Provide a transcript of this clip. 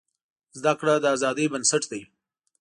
زده کړه د ازادۍ بنسټ دی.